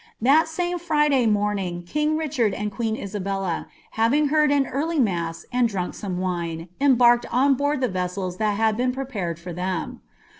That tame FriJay rnornin)( kinjf Ricliard and queen Isabella, .'Viu^ hcnrd nn earlv mass and drunk aume wlue. embarked on board ilir ressels il»( had been prepared fnr them.